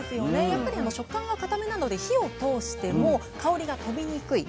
やっぱり食感がかためなので火を通しても香りが飛びにくい。